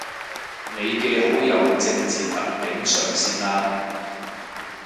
你嘅好友正字特警上線喇